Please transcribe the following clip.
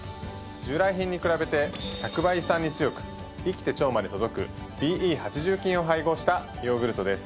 従来品に比べて１００倍胃酸に強く生きて腸まで届くＢＥ８０菌を配合したヨーグルトです。